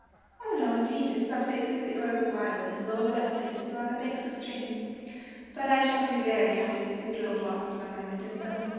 " Oh, no, indeed; in some places it grows wild, in low, wet places, or on the banks of streams. But I shall be very happy with these little blossoms on my window sill.